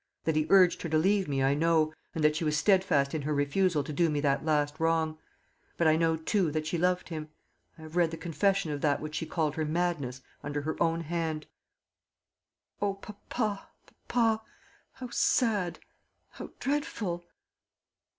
That he urged her to leave me, I know, and that she was steadfast in her refusal to do me that last wrong. But I know too that she loved him. I have read the confession of that which she called her 'madness' under her own hand." "O, papa, papa, how sad! how dreadful!"